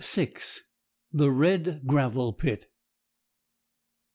THE RED GRAVEL PIT.